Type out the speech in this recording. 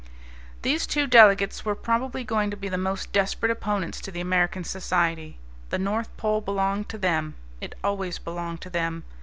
These two delegates were probably going to be the most desperate opponents to the American Society. The North Pole belonged to them; it always belonged to them.